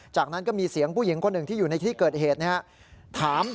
จากนั้นก็มีเสียงผู้หญิงคนหนึ่งที่อยู่ในที่เกิดเหตุนะครับ